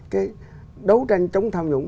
cái đấu tranh chống tham nhũng